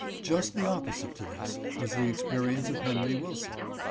Just the opposite to this was the experience of Henry Wilson.